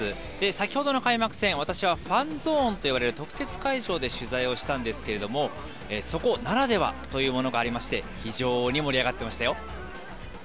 先ほどの開幕戦、私はファンゾーンと呼ばれる特設会場で取材をしたんですけれども、そこならではというものがありまして、非常に盛り上がってましたよ。